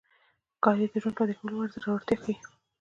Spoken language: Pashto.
ښکاري د ژوندي پاتې کېدو لپاره زړورتیا ښيي.